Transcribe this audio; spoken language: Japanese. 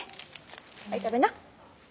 はい食べな。